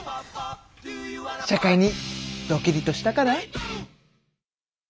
社会にドキリとしたかな？